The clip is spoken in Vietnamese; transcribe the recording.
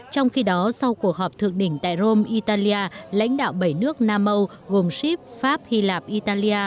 trong khi đó sau cuộc họp thượng đỉnh tại rome italia lãnh đạo bảy nước nam âu gồm shib pháp hy lạp italia